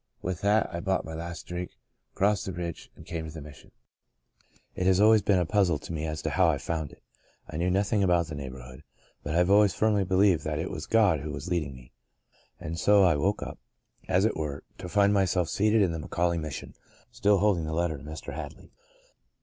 With that I bought my last drink, crossed the bridge, and came to the Mission. It has always been a puzzle to me as to how I found it. I knew nothing about the neighbourhood, but I have always firmly be 38 God's Good Man lieved that it was God who was leading me, and so I woke up, as it were, to find myself seated in the McAuley Mission, still holding the letter to Mr. Hadley.